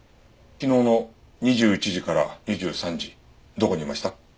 昨日の２１時から２３時どこにいました？